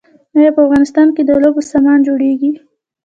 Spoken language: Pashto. آیا په افغانستان کې د لوبو سامان جوړیږي؟